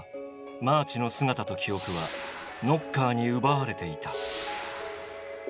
マーチの姿と記憶はノッカーに奪われていた。